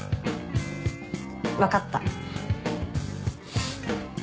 分かった。